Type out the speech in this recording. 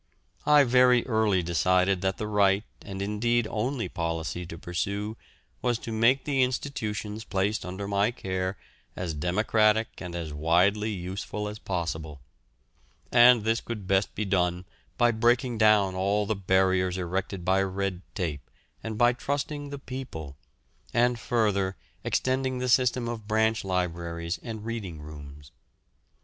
I very early decided that the right, and, indeed, only policy to pursue was to make the institutions placed under my care as democratic and as widely useful as possible, and this could best be done by breaking down all the barriers erected by red tape and by trusting the people; and, further, extending the system of branch libraries and reading rooms.